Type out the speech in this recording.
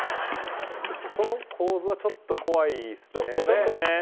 この構図はちょっと怖いですね